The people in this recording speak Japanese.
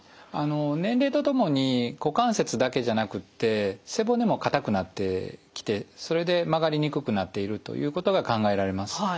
年齢とともに股関節だけじゃなくて背骨も硬くなってきてそれで曲がりにくくなっているということが考えられます。